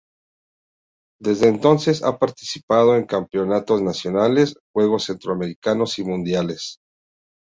Desde entonces, ha participado en Campeonatos Nacionales, Juegos Centroamericanos y Mundiales.